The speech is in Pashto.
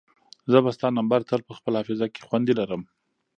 زه به ستا نمبر تل په خپل حافظه کې خوندي لرم.